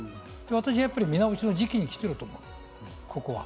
私、やっぱり見直しの時期に来てると思う、ここは。